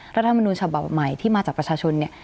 รัฐมนุนฉบับใหม่ที่มาจากประชาชนเนี่ย